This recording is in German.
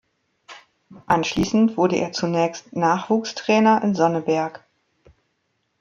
Anschließend wurde er zunächst Nachwuchstrainer in Sonneberg.